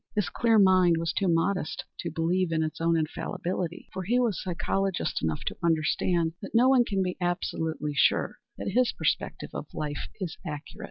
His clear mind was too modest to believe in its own infallibility, for he was psychologist enough to understand that no one can be absolutely sure that his perspective of life is accurate.